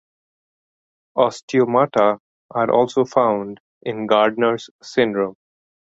Osteomata are also found in Gardner's syndrome.